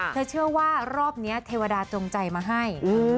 เชื่อว่ารอบนี้เทวดาจงใจมาให้